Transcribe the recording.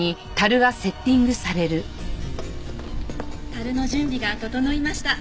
樽の準備が整いました。